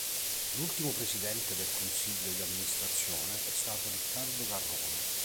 L'ultimo Presidente del Consiglio di Amministrazione è stato Riccardo Garrone.